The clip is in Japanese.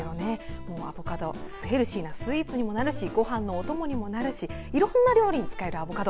アボカドヘルシーなスイーツにもなるしごはんのお供にもなるしいろんな料理に使えるアボカド